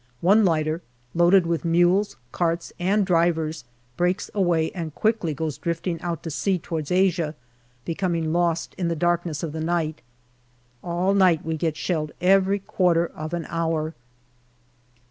One lighter, loaded with mules, carts, and drivers, breaks away and quickly goes drifting out to sea towards Asia, becoming lost in the darkness of the night. All night we get shelled every quarter of an hour.